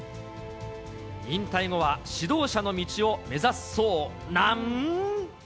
引退後は指導者の道を目指すそうなん。